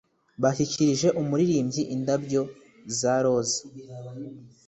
Bashyikirije umuririmbyi indabyo za roza.